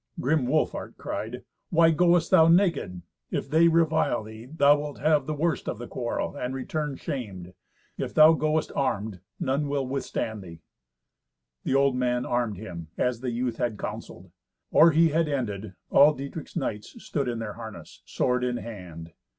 Grim Wolfhart cried, "Why goest thou naked? If they revile thee, thou wilt have the worst of the quarrel, and return shamed. If thou goest armed, none will withstand thee." The old man armed him as the youth had counselled. Or he had ended, all Dietrich's knights stood in their harness, sword in hand.